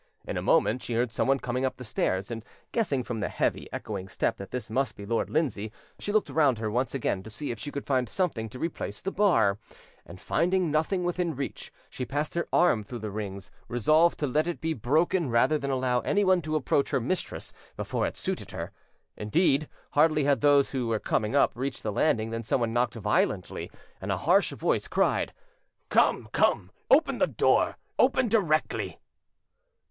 In a moment she heard someone coming up the stairs, and guessing from the heavy, echoing step that this must be Lord Lindsay, she looked round her once again to see if she could find something to replace the bar, and finding nothing within reach, she passed her arm through the rings, resolved to let it be broken rather than allow anyone to approach her mistress before it suited her. Indeed, hardly had those who were coming up reached the landing than someone knocked violently, and a harsh voice cried: "Come, come, open the door; open directly."